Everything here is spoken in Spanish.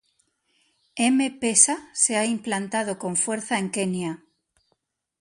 M-Pesa se ha implantado con fuerza en Kenia.